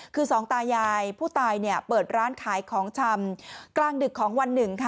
คือสองตายายผู้ตายเนี่ยเปิดร้านขายของชำกลางดึกของวันหนึ่งค่ะ